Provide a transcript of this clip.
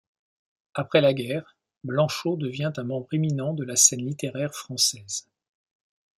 Après la Guerre, Blanchot devient un membre éminent de la scène littéraire française.